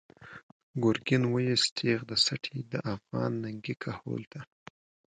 “گرگین” ویوست تیغ د سټی، د افغان ننگی کهول ته